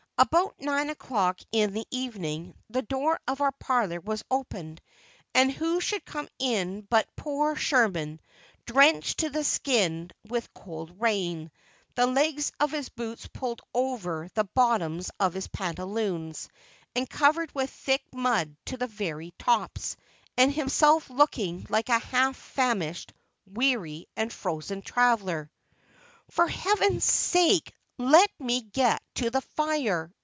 About nine o'clock in the evening, the door of our parlor was opened, and who should come in but poor Sherman, drenched to the skin with cold rain, the legs of his boots pulled over the bottoms of his pantaloons, and covered with thick mud to the very tops, and himself looking like a half famished, weary and frozen traveller. "For Heaven's sake, let me get to the fire!"